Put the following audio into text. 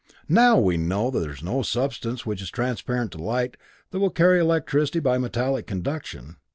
Now we know that there is no substance which is transparent to light, that will carry electricity by metallic conduction.